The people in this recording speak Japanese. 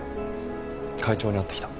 会長に会ってきた。